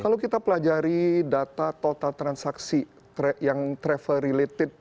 kalau kita pelajari data total transaksi yang travel related